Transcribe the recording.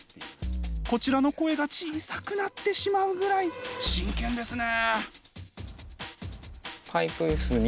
こちらの声が小さくなってしまうぐらい真剣ですね。